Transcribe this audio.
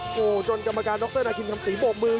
โอ้โหจนกำกาลดรนาคินคัมศีร์บอกมือ